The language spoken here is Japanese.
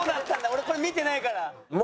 俺これ見てないから。